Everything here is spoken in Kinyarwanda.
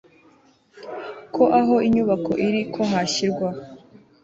k aho inyubako iri ko hashyirwaho